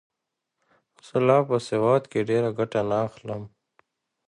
زه له په سواد کښي ډېره ګټه نه اخلم.